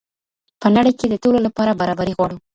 په نړۍ کي د ټولو لپاره برابري غواړو.